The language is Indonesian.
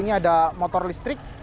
ini ada motor listrik